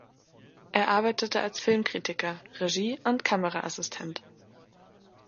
Er arbeitete als Filmkritiker, Regie- und Kameraassistent.